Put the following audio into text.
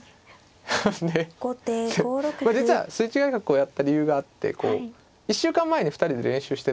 で実は筋違い角をやった理由があって１週間前に２人で練習してたんですよ。